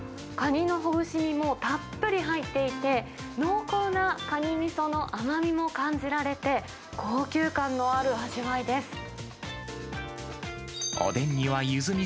カニのほぐし身もたっぷり入っていて、濃厚なカニみその甘みも感じられて、高級感のある味わいです。